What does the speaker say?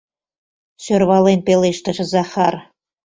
— сӧрвален пелештыш Захар.